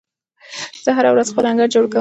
زه هره ورځ خپل انګړ جارو کوم.